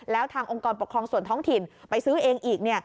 แล้วทางองค์กรปกครองส่วนท้องถิ่นไปซื้อเองอีก